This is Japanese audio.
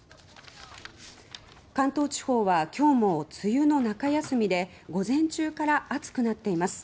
関東地方は今日も梅雨の中休みで午前中から暑くなっています。